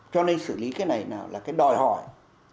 cho nên xử lý cái này nào là cái đòi hỏi